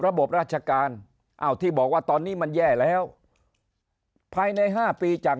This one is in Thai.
ระบบราชการอ้าวที่บอกว่าตอนนี้มันแย่แล้วภายใน๕ปีจาก